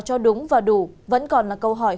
cho đúng và đủ vẫn còn là câu hỏi